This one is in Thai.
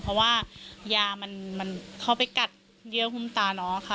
เพราะว่ายามันเข้าไปกัดเยื่อหุ้มตาน้องค่ะ